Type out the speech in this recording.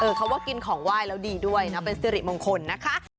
เออเขาว่ากินของว่ายแล้วดีด้วยนะ